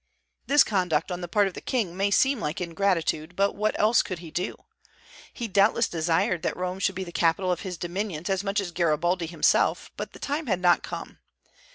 This conduct on the part of the king may seem like ingratitude; but what else could he do? He doubtless desired that Rome should be the capital of his dominions as much as Garibaldi himself, but the time had not come.